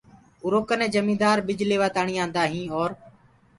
اُرو ڪني جميدآر ٻج ليوآ تآڻي آندآ هين اور